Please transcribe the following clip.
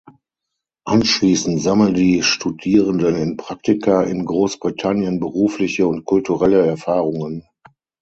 Anschließend sammeln die Studierenden in Praktika in Großbritannien berufliche und kulturelle Erfahrungen.